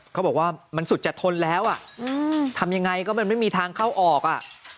เขาบอกว่ามันสุดจะทนแล้วอ่ะทำยังไงก็มันไม่มีทางเข้าออกอ่ะ